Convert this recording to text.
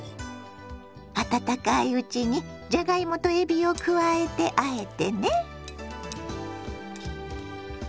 温かいうちにじゃがいもとえびを加えてあえてね。